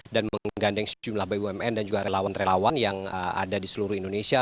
dan menggandeng sejumlah bumn dan juga relawan relawan yang ada di seluruh indonesia